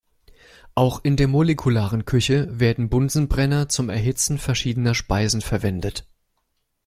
Auch in der Molekularen Küche werden Bunsenbrenner zum Erhitzen verschiedener Speisen verwendet.